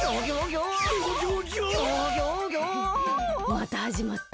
またはじまった。